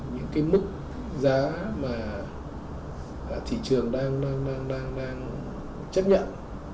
những mức giá mà thị trường đang chấp nhận